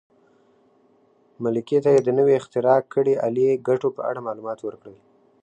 ملکې ته یې د نوې اختراع کړې الې ګټو په اړه معلومات ورکړل.